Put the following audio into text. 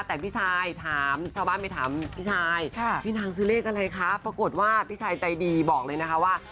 แต่พี่ชายถามชาวบ้านไปถามพี่ชายพี่นางซื้อเลขอะไรคะปรากฏว่าพี่ชายใจดีบอกเลยนะคะว่า